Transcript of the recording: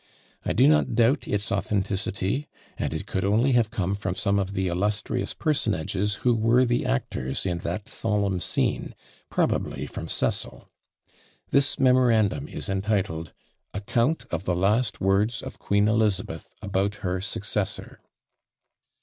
I do not doubt its authenticity, and it could only have come from some of the illustrious personages who were the actors in that solemn scene, probably from Cecil. This memorandum is entitled "Account of the last words of Queen Elizabeth about her Successor.